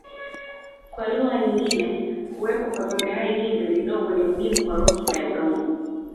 Kwa lugha nyingine kuwepo kwa viumbehai hivi vidogo ni muhimu kwa rutuba ya udongo.